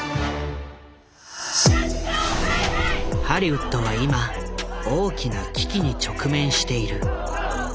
ハリウッドは今大きな危機に直面している。